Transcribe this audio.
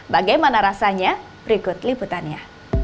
bagaimana rasanya berikut liputannya